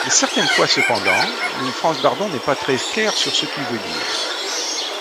Certaines fois cependant, Franz Bardon n'est pas très clair sur ce qu'il veut dire.